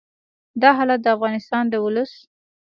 دا حالت د افغانستان د ولس